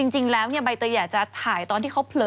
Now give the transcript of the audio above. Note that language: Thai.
จริงแล้วใบเตยอยากจะถ่ายตอนที่เขาเผลอ